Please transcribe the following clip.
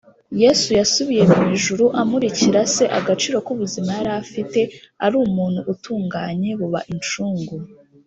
Yesu yasubiye mu ijuru amurikira se agaciro k ubuzima yari afite ari umuntu utunganye buba incungu